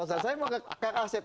saya mau ke kang asep